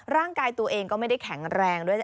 ร่างกายตัวเองก็ไม่ได้แข็งแรงด้วย